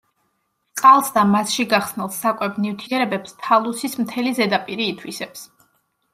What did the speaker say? წყალს და მასში გახსნილ საკვებ ნივთიერებებს თალუსის მთელი ზედაპირი ითვისებს.